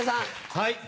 はい。